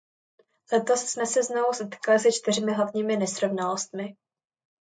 Letos jsme se znovu setkali se čtyřmi hlavními nesrovnalostmi.